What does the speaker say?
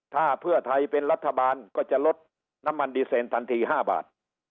ถ้าเพื่อไทยเป็นรัฐบาลก็จะลดน้ำมันดีเซนทันที๕บาท